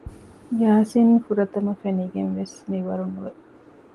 ޔާސިން ފުރަތަމަ ފެނިގެންވެސް މިވަރުނުވެ